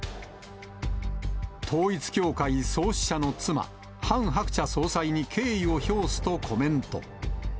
統一教会創始者の妻、ハン・ハクチャ総裁に敬意を表すとコメント。